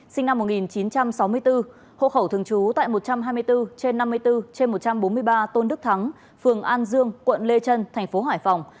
sinh năm một nghìn chín trăm sáu mươi bốn hộ khẩu thường trú tại một trăm hai mươi bốn trên năm mươi bốn trên một trăm bốn mươi ba tôn đức thắng phường an dương quận lê trân tp hải phòng